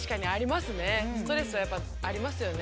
ストレスはやっぱありますよね。